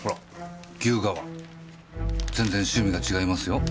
全然趣味が違いますよ。